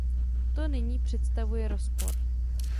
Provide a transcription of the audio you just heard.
To nyní představuje rozpor.